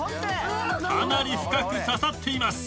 かなり深くささっています。